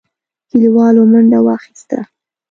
کليوالو منډه واخيسته.